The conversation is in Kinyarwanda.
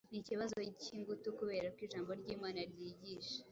Ni ikibazo cy’ingutu kubera ko Ijambo ry’Imana ryigisha